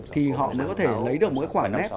thì họ mới có thể lấy được mỗi khoảng nét